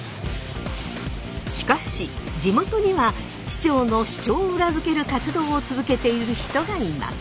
しかし地元には市長の主張を裏付ける活動を続けている人がいます。